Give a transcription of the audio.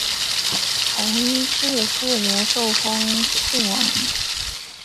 弘治四年受封泾王。